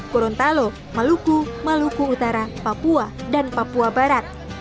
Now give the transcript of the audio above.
kurontalo meluku meluku utara papua dan papua barat